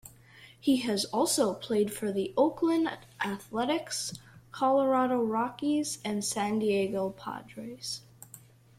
He has also played for the Oakland Athletics, Colorado Rockies, and San Diego Padres.